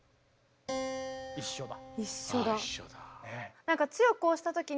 一緒だ。